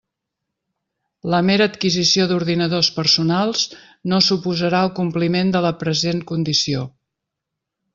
La mera adquisició d'ordinadors personals no suposarà el compliment de la present condició.